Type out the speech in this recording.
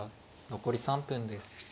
残り３分です。